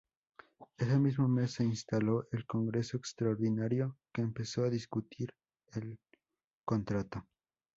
Ese mismo mes se instaló el Congreso Extraordinario que empezó a discutir el contrato.